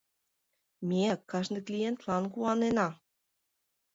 Ме кажне клиентлан куанена...